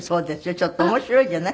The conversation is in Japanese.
ちょっと面白いじゃない？